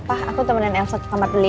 pak aku temenin elsa ke kamar dulu ya